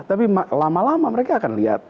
tapi lama lama mereka akan lihat